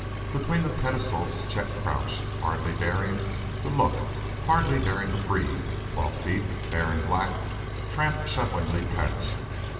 Between the pedestals Chet crouched, hardly daring to look, hardly daring to breathe, while feet, bare and black, tramped shufflingly past.